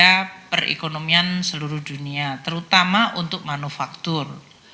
menjaga perekonomian seluruh dunia terutama untuk manufaktur